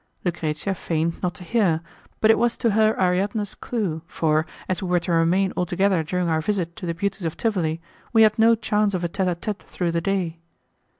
Lucrezia feigned not to hear, but it was to her Ariadne's clue, for, as we were to remain altogether during our visit to the beauties of Tivoli, we had no chance of a tete a tete through the day.